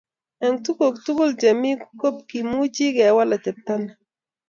Eng tukuk tukul che mi komkimuchi kewal atepto ni